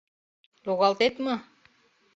Логалтет мо?